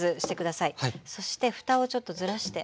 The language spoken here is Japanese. そしてふたをちょっとずらして。